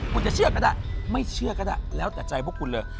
คุณจะเชื่อก็ได้ไม่เชื่อก็ได้แล้วแต่ใจพวกคุณเลย